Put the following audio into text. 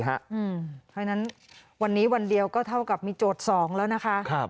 เพราะฉะนั้นวันนี้วันเดียวก็เท่ากับมีโจทย์๒แล้วนะคะ